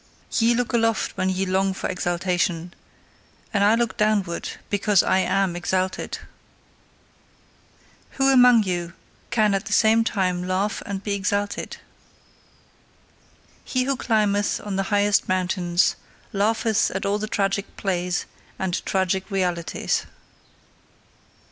"Ye look aloft when ye long for exaltation, and I look downward because I am exalted. "Who among you can at the same time laugh and be exalted? "He who climbeth on the highest mountains, laugheth at all tragic plays and tragic realities."